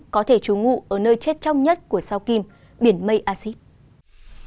có thể trú ngụ ở nơi chết trong nhất của sao kim biển mây acid